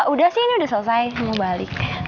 udah sih ini udah selesai mau balik